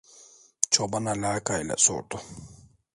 Çoban alaka ile sordu: